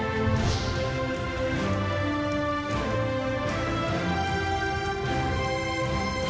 ช่วงวิทย์ตีแสงหน้า